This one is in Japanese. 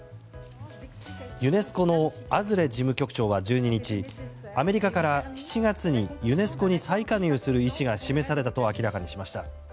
ユネスコのアズレ事務局長は１２日アメリカから７月にユネスコに再加入する意思が示されたと明らかにしました。